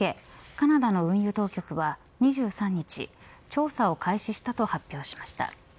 カナダの運輸当局は２３日調査を開始したと発表しました。